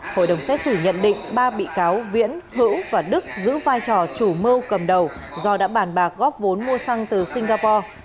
hội đồng xét xử nhận định ba bị cáo viễn hữu và đức giữ vai trò chủ mưu cầm đầu do đã bàn bạc góp vốn mua xăng từ singapore